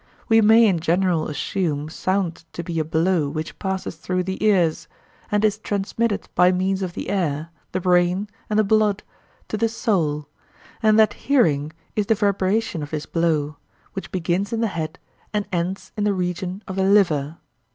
We may in general assume sound to be a blow which passes through the ears, and is transmitted by means of the air, the brain, and the blood, to the soul, and that hearing is the vibration of this blow, which begins in the head and ends in the region of the liver.